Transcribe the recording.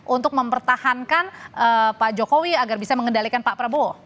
untuk mempertahankan pak jokowi agar bisa mengendalikan pak prabowo